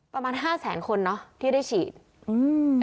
ประมาณ๕๐๐๐๐๐คนเนอะที่ได้ฉีด